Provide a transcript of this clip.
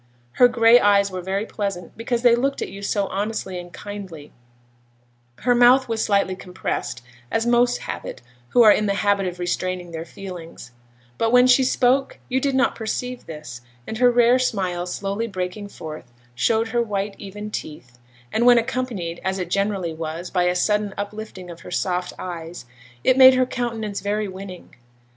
Her gray eyes were very pleasant, because they looked at you so honestly and kindly; her mouth was slightly compressed, as most have it who are in the habit of restraining their feelings; but when she spoke you did not perceive this, and her rare smile slowly breaking forth showed her white even teeth, and when accompanied, as it generally was, by a sudden uplifting of her soft eyes, it made her countenance very winning.